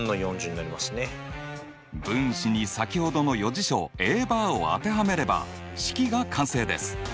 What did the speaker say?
分子に先ほどの余事象Ａバーを当てはめれば式が完成です。